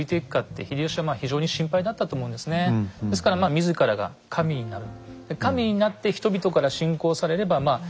ですからまあ自らが神になる。